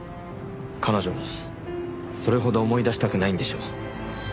彼女もそれほど思い出したくないんでしょう。